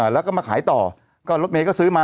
แล้วก็มาขายต่อก็รถเมย์ก็ซื้อมา